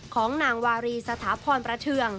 ของนางวารีสถาพรประเทือง